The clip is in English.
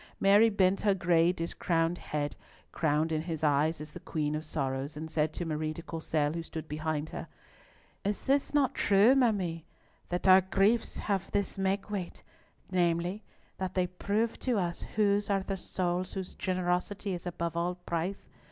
Mary bent "her gray discrowned head," crowned in his eyes as the Queen of Sorrows, and said to Marie de Courcelles, who stood behind her, "Is it not true, ma mie, that our griefs have this make weight, namely, that they prove to us whose are the souls whose generosity is above all price!